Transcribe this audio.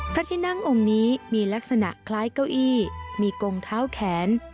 พระที่นั่งองค์นี้มีลักษณะคล้ายเก้าอี้มีกงเท้าแขน